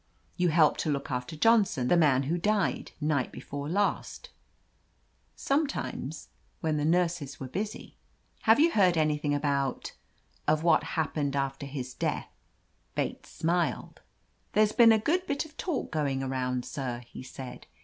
"You helped to look after Johnson, the man who died night before last ?" 'Sometimes — ^when the nurses were busy." ^Have you heard anything about— of what happened after his death ?" 94 OF LETITIA CaRBERRY Bates smiled. "There's been a good bit of talk going around, sir/' he said.